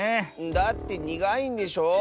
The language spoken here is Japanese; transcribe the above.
だってにがいんでしょ？